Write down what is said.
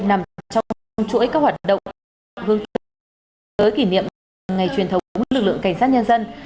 nằm trong chuỗi các hoạt động hướng tới kỷ niệm ngày truyền thống lực lượng cảnh sát nhân dân